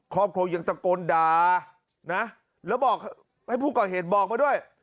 ครอบครัวยังตะโกนด่านะแล้วบอกให้ผู้ก่อเหตุบอกมาด้วย